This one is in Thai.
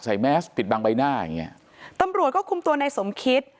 แมสปิดบังใบหน้าอย่างเงี้ยตำรวจก็คุมตัวในสมคิต